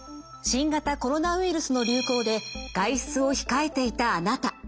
新型コロナウイルスの流行で外出を控えていたあなた。